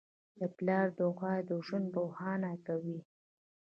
د پلار دعاوې ژوند روښانه کوي.